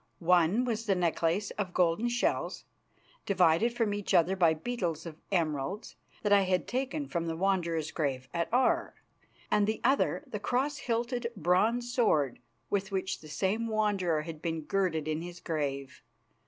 One was the necklace of golden shells, divided from each other by beetles of emeralds, that I had taken from the Wanderer's grave at Aar, and the other the cross hilted bronze sword with which this same Wanderer had been girded in his grave.